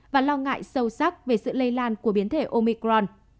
và lo ngại sâu sắc về sự lây lan của biến thể omicron